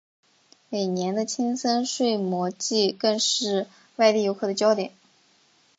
每年的青森睡魔祭更是外地游客的焦点。